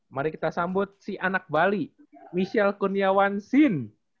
mari kita sambut si anak bali michelle kuniawan sin